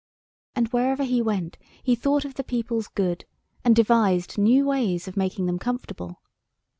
And wherever he went he thought of the people's good, and devised new ways of making them comfortable.